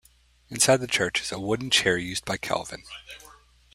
Inside the church is a wooden chair used by Calvin.